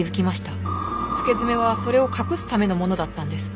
付け爪はそれを隠すためのものだったんです。